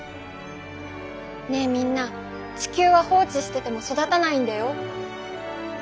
ねえみんな地球は放置してても育たないんだよ。